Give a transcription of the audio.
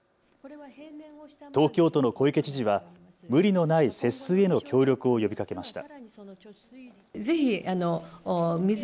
東京都の小池知事は無理のない節水への協力を呼びかけました。